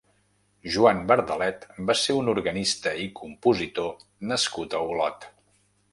Joan Verdalet va ser un organista i compositor nascut a Olot.